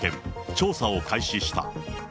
調査を開始した。